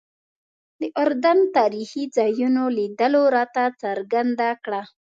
د اردن تاریخي ځایونو لیدلو راته څرګنده کړه.